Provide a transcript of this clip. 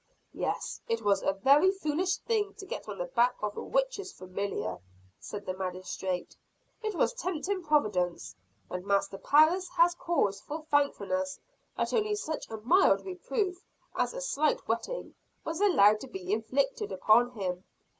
"Yes, it was a very foolish thing to get on the back of a witch's familiar," said the magistrate. "It was tempting Providence. And Master Parris has cause for thankfulness that only such a mild reproof as a slight wetting, was allowed to be inflicted upon him.